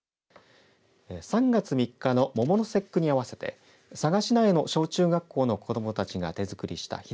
３月３日の桃の節句に合わせて佐賀市内の小中学校の子どもたちが手作りした